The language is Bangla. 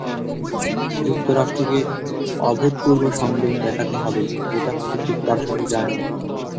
যুক্তরাষ্ট্রকে অভূতপূর্ব সংযম দেখাতে হবে, যেটা হয়তো ঠিক তার সঙ্গে যায় না।